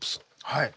はい。